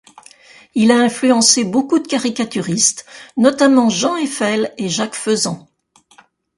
Il a influencé beaucoup de caricaturistes, notamment Jean Effel et Jacques Faizant.